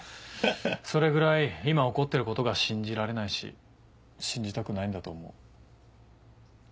それぐらい今起こってることが信じられないし信じたくないんだと思う。